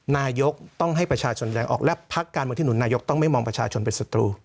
นายกต้องให้ประชาชนแสดงออกและพักการเมืองที่หนุนนายกต้องไม่มองประชาชนเป็นศัตรู